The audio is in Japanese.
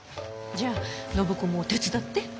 じゃあ暢子も手伝って。